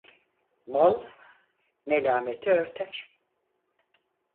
Mal melâmeti örter.